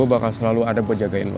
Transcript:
gue bakal selalu ada buat jagain lo